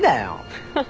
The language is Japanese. ハハハ。